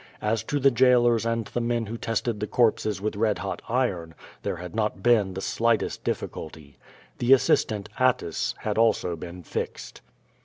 As to the jailors and the man who tested the corpses with red hot iron, there had not been the slightest difficulty. The assistant, Attys, had also been fixed.